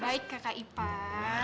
baik kakak ipar